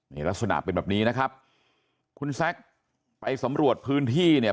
นี่ลักษณะเป็นแบบนี้นะครับคุณแซคไปสำรวจพื้นที่เนี่ย